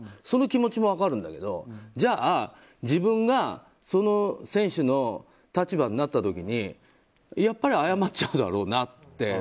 その気持ちも分かるんだけどじゃあ自分がその選手の立場になった時にやっぱり謝っちゃうだろうなって